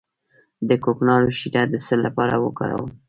د کوکنارو شیره د څه لپاره وکاروم؟